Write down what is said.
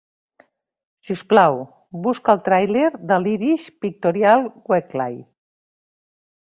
Si us plau, busca el tràiler del "Irish Pictorial Weekly".